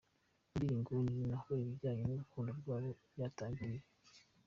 Muri iyi nguni ni ho ibijyanye n'urukundo rwabo byatangiriye.